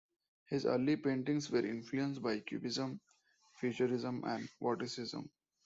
His early paintings were influenced by cubism, futurism and vorticism.